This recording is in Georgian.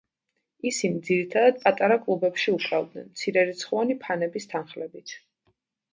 ისინი ძირითადად პატარა კლუბებში უკრავდნენ მცირერიცხვოვანი ფანების თანხლებით.